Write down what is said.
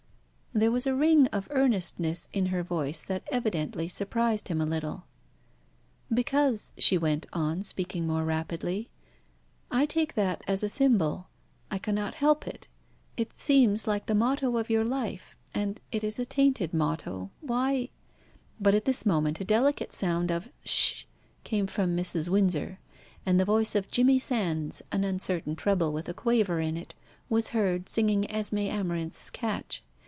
There was a ring of earnestness in her voice that evidently surprised him a little. "Because," she went on, speaking more rapidly, "I take that as a symbol. I cannot help it. It seems like the motto of your life, and it is a tainted motto. Why " But at this moment a delicate sound of "Sh sh!" came from Mrs. Windsor, and the voice of Jimmie Sands, an uncertain treble with a quaver in it, was heard singing Esmé Amarinth's catch.